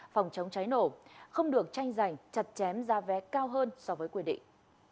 phòng chống cháy nổ không được tranh giành chặt chém giá vé cao hơn so với quy định